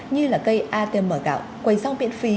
như là cây atm gạo quầy xong miễn phí